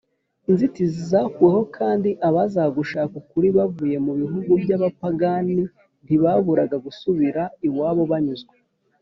inzitizi zakuweho, kandi abazaga gushaka ukuri bavuye mu bihugu by’abapagani ntibaburaga gusubira iwabo banyuzwe.